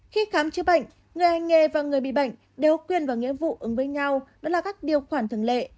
khi khám chữa bệnh người hành nghề và người bị bệnh đều quyền và nghĩa vụ ứng với nhau đó là các điều khoản thường lệ